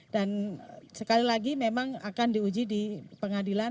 dan sekali lagi memang akan diuji di pengadilan